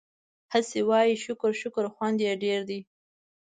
هسې وايو شکر شکر خوند يې ډېر دی